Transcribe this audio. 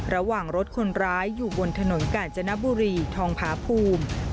ระหว่างรถคนร้ายอยู่บนถนนกาญจนบุรีทองพาภูมิ